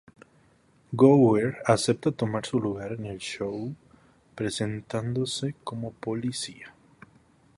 Gower acepta tomar su lugar en el show presentándose como policía.